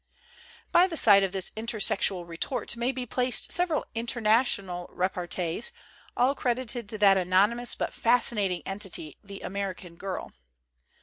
By the side of this intersexual retort may be placed several international repartees, all cred ited to that anonymous but fascinating entity, the American Girl.